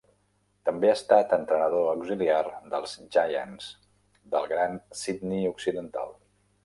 També ha estat entrenador auxiliar dels Giants del gran Sydney occidental.